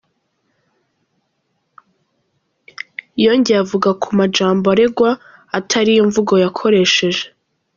Yongeye avuga ko amajambo aregwa "atariyo mvugo yakoresheje".